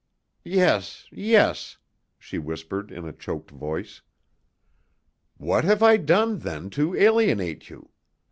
"Yes, yes," she whispered in a choked voice. "What have I done, then, to alienate you?